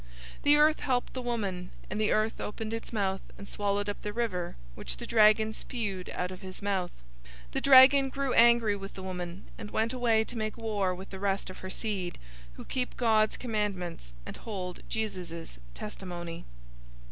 012:016 The earth helped the woman, and the earth opened its mouth and swallowed up the river which the dragon spewed out of his mouth. 012:017 The dragon grew angry with the woman, and went away to make war with the rest of her seed, who keep God's commandments and hold Jesus' testimony.